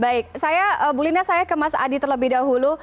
baik saya bulina saya ke mas adi terlebih dahulu